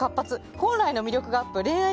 本来の魅力がアップ。